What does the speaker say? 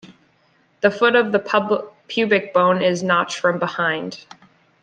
The foot of the pubic bone is notched from behind.